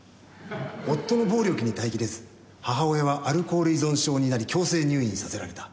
夫の暴力に耐えきれず母親はアルコール依存症になり強制入院させられた。